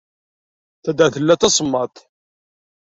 Taddart tella d tasemmaḍt.